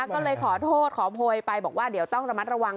ก็เลยขอโทษขอโพยไปบอกว่าเดี๋ยวต้องระมัดระวัง